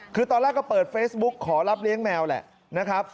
คือตอนแรกก็เปิดเฟซบุ๊กขอรับเลี้ยงแมวแหละนะครับ